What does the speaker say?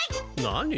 何？